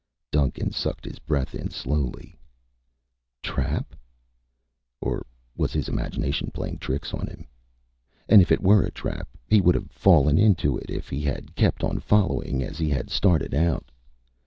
Duncan sucked his breath in slowly. Trap? Or was his imagination playing tricks on him? And if it were a trap, he would have fallen into it if he had kept on following as he had started out.